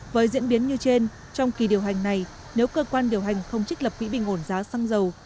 với diễn biến như trên trong kỳ điều hành này nếu cơ quan điều hành không trích lập quỹ bình ổn giá xăng dầu